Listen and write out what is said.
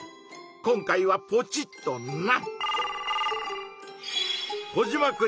今回はポチッとな！